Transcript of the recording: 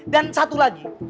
dan satu lagi